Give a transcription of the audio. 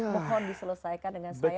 mohon diselesaikan dengan selaya